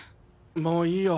もういいよ